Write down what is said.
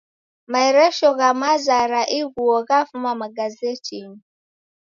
Maeresho gha maza ra ighuo ghafuma magazetinyi